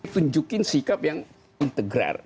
tunjukin sikap yang integrer